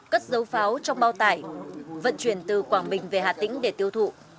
cất dấu pháo trong bao tải vận chuyển từ quảng bình về hà tĩnh để tiêu thụ